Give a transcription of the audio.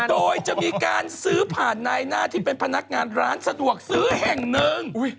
โดยจะมีการซื้อผ่านนายหน้าที่เป็นพนักงานร้านสะดวกซื้อแห่งหนึ่ง